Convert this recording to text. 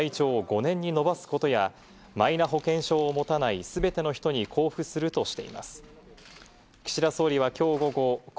１年の有効期限を最長５年に延ばすことや、マイナ保険証を持たない全ての人に交付するとしています。